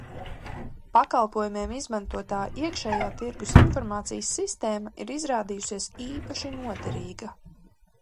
Pakalpojumiem izmantotā iekšējā tirgus informācijas sistēma ir izrādījusies īpaši noderīga.